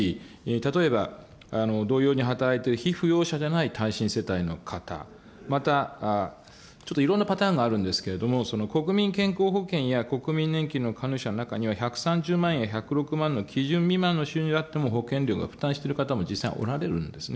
例えば、同様に働いている被扶養者でない単身世帯の方、また、ちょっといろんなパターンがあるんですけれども、その国民健康保険や、国民年金の加入者の中には、１３０万や１０６万の基準未満の収入であっても保険料が負担しておられる方も実際おられるんですね。